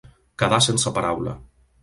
Quedar sense paraula.